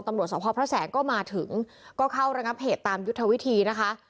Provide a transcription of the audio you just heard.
ตำรวจสพพระแสงก็มาถึงก็เข้าระงับเหตุตามยุทธวิธีนะคะ